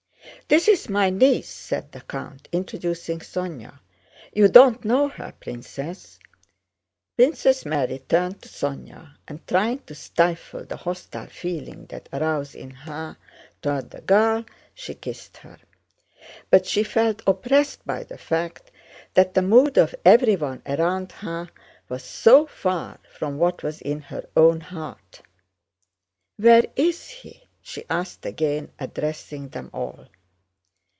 "This is my niece," said the count, introducing Sónya—"You don't know her, Princess?" Princess Mary turned to Sónya and, trying to stifle the hostile feeling that arose in her toward the girl, she kissed her. But she felt oppressed by the fact that the mood of everyone around her was so far from what was in her own heart. "Where is he?" she asked again, addressing them all.